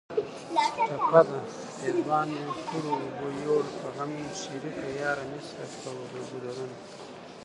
ټپه ده: پېزوان مې خړو اوبو یوړ په غم شریکه یاره نیسه ګودرونه